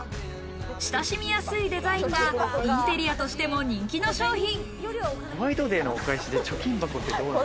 親しみやすいデザインがインテリアとしても人気の商品。